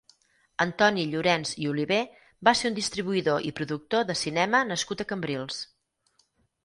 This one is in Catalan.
Antoni Llorens i Olivé va ser un distribuïdor i productor de cinema nascut a Cambrils.